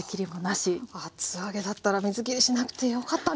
厚揚げだったら水きりしなくてよかったんですね。